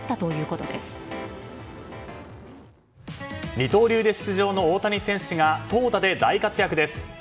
二刀流で出場の大谷選手が投打で大活躍です。